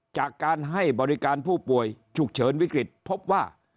จากการให้บริการผู้ป่วยฉุกเฉินวิกฤตพบว่า